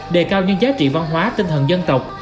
đề cao những giá trị văn hóa tinh thần dân tộc